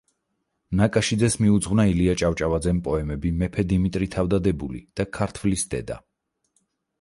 ნაკაშიძეს მიუძღვნა ილია ჭავჭავაძემ პოემები „მეფე დიმიტრი თავდადებული“ და „ქართვლის დედა“.